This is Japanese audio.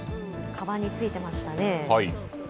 かばんについてましたね。